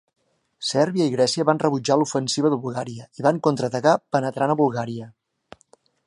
Sèrbia i Grècia van rebutjar l'ofensiva de Bulgària i van contraatacar penetrant a Bulgària.